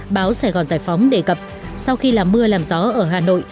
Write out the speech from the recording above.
báo sài gòn giải phóng đề cập sau khi là mưa làm gió ở hà nội